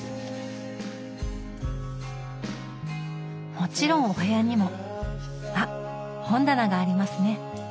もちろんお部屋にもあっ本棚がありますね。